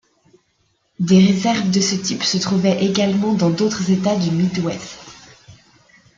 Des réserves de ce type se trouvaient également dans d'autres États du Midwest.